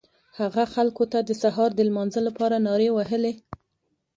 هغه خلکو ته د سهار د لمانځه لپاره نارې وهلې.